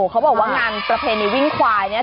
เขาบอกว่างานประเพณีวิ่งควายเนี่ย